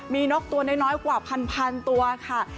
มีนกตัวน้อยกว่าพันตัวค่ะ